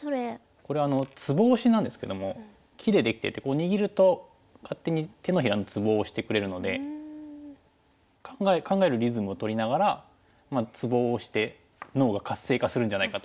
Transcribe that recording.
これツボ押しなんですけども木で出来てて握ると勝手に手のひらのツボを押してくれるので考えるリズムをとりながらツボを押して脳が活性化するんじゃないかと。